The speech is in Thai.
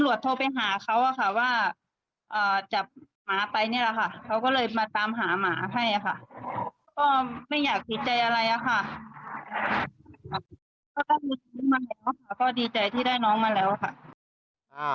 ก็ดีใจที่ได้น้องมาแล้วค่ะ